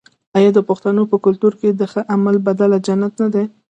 آیا د پښتنو په کلتور کې د ښه عمل بدله جنت نه دی؟